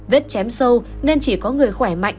vết chém sâu nên chỉ có người khỏe mạnh